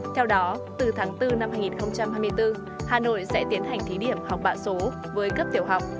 theo đó từ tháng bốn năm hai nghìn hai mươi bốn hà nội sẽ tiến hành thí điểm học bạ số với cấp tiểu học